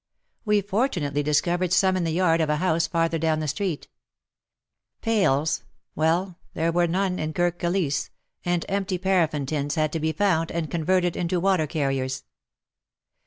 We fortunately discovered some in the yard of a house farther down the street. Pails — well, there were none in Kirk Kilisse, and empty paraffin tins had to be found and converted into water carriers.